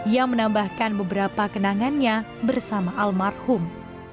yang menambahkan beberapa kenangannya bersama almarhum